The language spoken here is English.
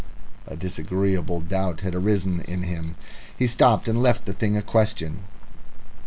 A disagreeable doubt had arisen in him. He stopped, and left the thing a question.